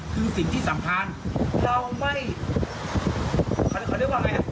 คือสิ่งที่สำคัญเราไม่คำนึกว่าอย่างไร